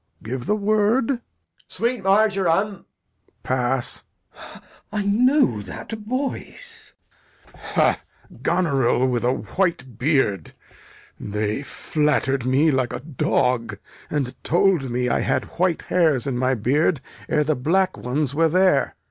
Give the word. Edg. Sweet marjoram. Lear. Pass. Glou. I know that voice. Lear. Ha! Goneril with a white beard? They flatter'd me like a dog, and told me I had white hairs in my beard ere the black ones were there.